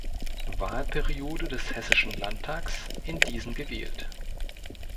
Wahlperiode des Hessischen Landtags in diesen gewählt.